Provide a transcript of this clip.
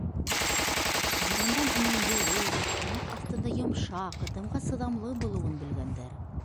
Борондан уның йылы, аяҡ аҫтында йомшаҡ, дымға сыҙамлы булыуын белгәндәр.